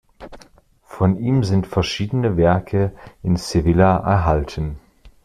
Von ihm sind verschiedene Werke in Sevilla erhalten.